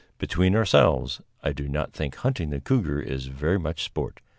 Between ourselves, I do not think hunting the cougar is very much sport.